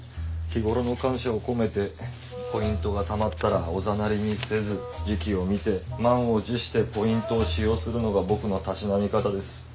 日頃の感謝を込めてポイントがたまったらおざなりにせず時期を見て満を持してポイントを使用するのが僕のたしなみ方です。